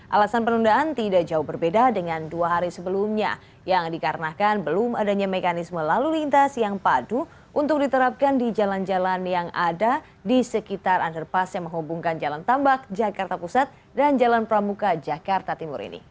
alasan penundaan tidak jauh berbeda dengan dua hari sebelumnya yang dikarenakan belum adanya mekanisme lalu lintas yang padu untuk diterapkan di jalan jalan yang ada di sekitar underpass yang menghubungkan jalan tambak jakarta pusat dan jalan pramuka jakarta timur ini